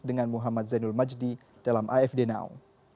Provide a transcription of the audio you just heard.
dengan muhammad zainul majdi dalam afd now